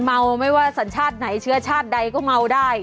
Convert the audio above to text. เมาไม่ว่าสัญชาติไหนเชื้อชาติใดก็เมาได้